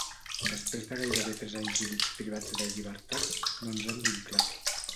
Després de gairebé tres anys i mig privats de llibertat, no ens han vinclat.